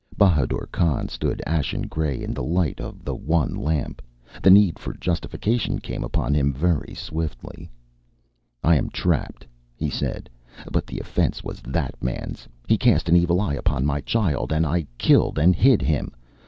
Bahadur Khan stood ashen grey in the light of the one lamp. The need for justification came upon him very swiftly. "I am trapped," he said, "but the offence was that man's. He cast an evil eye upon my child, and I killed and hid him.